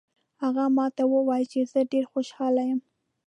هغې ما ته وویل چې زه ډېره خوشحاله یم